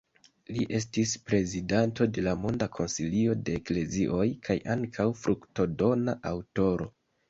Li estis prezidanto de la Monda Konsilio de Eklezioj kaj ankaŭ fruktodona aŭtoro.